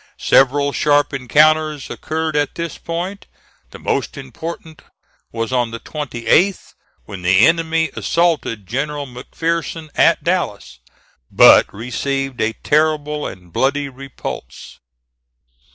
Several sharp encounters occurred at this point. The most important was on the 28th, when the enemy assaulted General McPherson at Dallas, but received a terrible and bloody repulse.